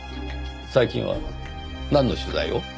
最近はなんの取材を？